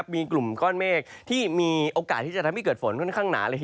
มีกลุ่มก้อนเมฆที่อาจจะมีเกิดฝนทั้งหนา